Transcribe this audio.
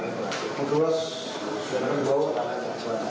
menterus silakan di bawah